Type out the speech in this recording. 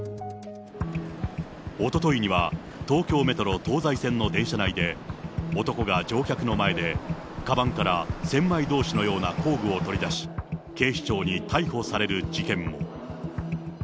おとといには東京メトロ東西線の電車内で、男が乗客の前でカバンから千枚通しのような工具を取り出し、警視庁に逮捕される事件も。